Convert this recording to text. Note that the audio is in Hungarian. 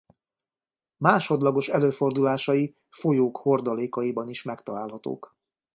Másodlagos előfordulásai folyók hordalékaiban is megtalálhatóak.